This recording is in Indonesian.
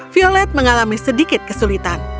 violet mengalami sedikit kesulitan